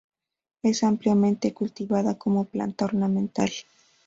Es ampliamente cultivada como planta ornamental.